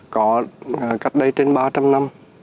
có cách đây trên ba trăm linh năm